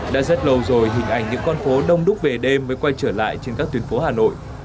đã rất lâu rồi hình ảnh những con phố đông đúc về đêm mới quay trở lại trên các tuyến phố hà nội